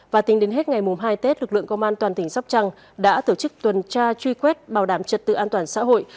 và tính đến hết ngày hai tết lực lượng công an toàn tỉnh sóc trăng đã tổ chức tuần tra truy quét bảo đảm trật tự an toàn xã hội